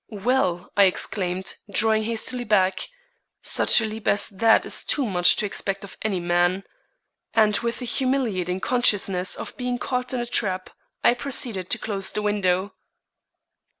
"Well," I exclaimed, drawing hastily back; "such a leap as that is too much to expect of any man!" And with the humiliating consciousness of being caught in a trap, I proceeded to close the window.